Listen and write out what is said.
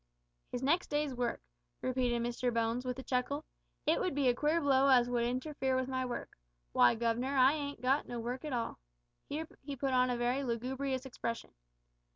"His next day's work!" repeated Mr Bones, with a chuckle. "It would be a queer blow as would interfere with my work. Why, guv'nor, I hain't got no work at all" Here he put on a very lugubrious expression.